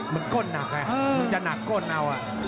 มันโค่นหนักแหละมันจะหนักโค่นเอาอ่ะ